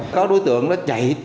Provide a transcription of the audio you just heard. có đối tượng nó chạy